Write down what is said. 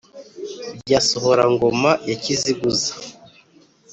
bya sohora-ngoma ya kiziguza